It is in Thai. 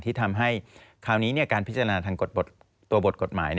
ที่ทำให้คราวนี้การพิจารณาทางตัวบทกฎหมาย